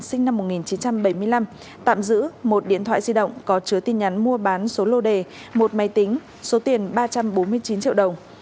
sinh năm một nghìn chín trăm bảy mươi năm tạm giữ một điện thoại di động có chứa tin nhắn mua bán số lô đề một máy tính số tiền ba trăm bốn mươi chín triệu đồng